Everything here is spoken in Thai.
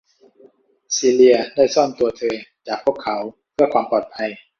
ซีเลียได้ซ่อนตัวเธอจากพวกเขาเพื่อความปลอดภัย